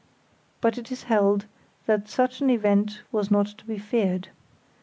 But it is held that such an event was not to be feared.